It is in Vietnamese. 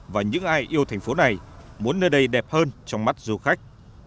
và những ai yêu thành phố này muốn nơi đây đẹp hơn trong mắt du khách